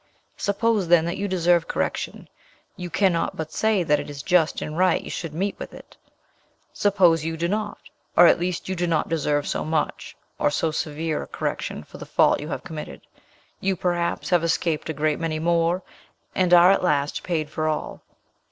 Suppose, then, that you deserve correction, you cannot but say that it is just and right you should meet with it. Suppose you do not, or at least you do not deserve so much, or so severe a correction, for the fault you have committed, you perhaps have escaped a great many more, and are at last paid for all.